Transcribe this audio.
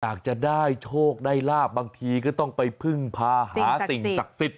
อยากจะได้โชคได้ลาบบางทีก็ต้องไปพึ่งพาหาสิ่งศักดิ์สิทธิ